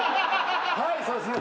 はいそうですね。